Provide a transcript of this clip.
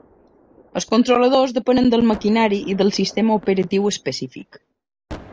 Els controladors depenen del maquinari i del sistema operatiu específic.